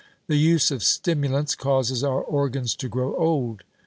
The use of stimulants causes our organs to grow old.